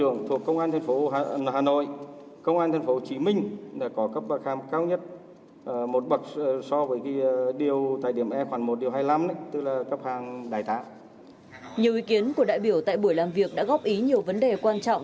nhiều ý kiến của đại biểu tại buổi làm việc đã góp ý nhiều vấn đề quan trọng